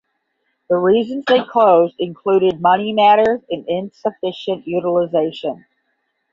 The reasons they closed included money matters and insufficient utilization.